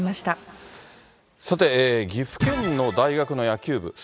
さて、岐阜県の大学の野球部。